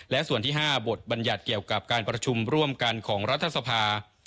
และส่วนที่๕บทบัญญัติเกี่ยวกับการประชุมร่วมกันของรัฐสภา